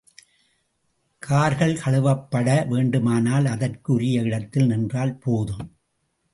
கார்கள் கழுவப்பட வேண்டுமானால் அதற்கு உரிய இடத்தில் நின்றால் போதும்.